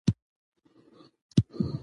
چي پر مځکه دهقان کښت کاوه د سونډو